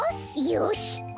よし！